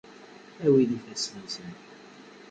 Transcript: Awi-d ifassen-nsen.